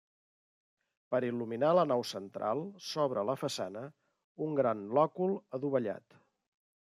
Per il·luminar la nau central s'obre a la façana, un gran lòcul adovellat.